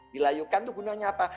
dilayukan itu gunanya apa